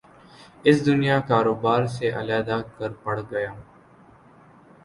اس دنیا کاروبار سے علیحدہ کر پڑ گا